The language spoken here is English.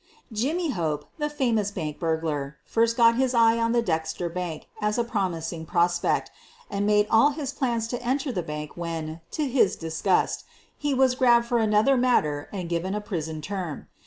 Jimmy Hope, the famous bank burglar, first got his eye on the Dexter bank as a promising prospect, and made all his plans to enter the bank when, to his disgust, he was grabbed for another matter and given a prison term.